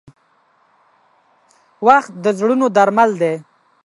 • وخت د زړونو درمل دی.